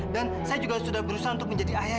dan saya juga sudah berusaha untuk menjadi anak kamu